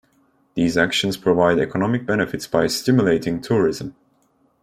These actions provide economic benefits by stimulating tourism.